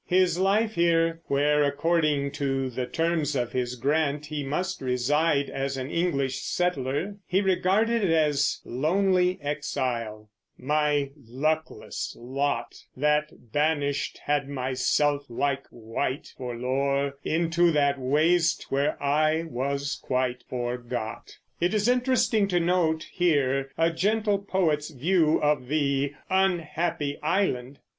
His life here, where according to the terms of his grant he must reside as an English settler, he regarded as lonely exile: My luckless lot, That banished had myself, like wight forlore, Into that waste, where I was quite forgot. It is interesting to note here a gentle poet's view of the "unhappy island."